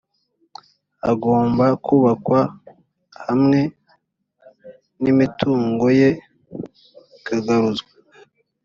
hagomba kubakwa hamwe n’imitungo ye ikagaruzwa